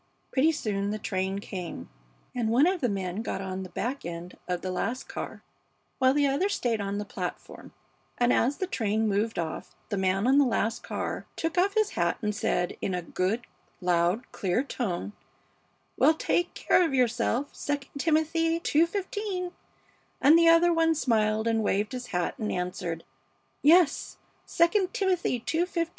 Pretty soon the train came, and one of the men got on the back end of the last car, while the other stayed on the platform, and as the train moved off the man on the last car took off his hat and said, in a good, loud, clear tone, 'Well, take care of yourself, II Timothy ii:15,' and the other one smiled and waved his hat and answered, 'Yes, II Timothy ii:15.'